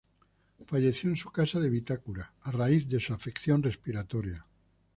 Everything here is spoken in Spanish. Falleció en su casa de Vitacura a raíz de una afección respiratoria.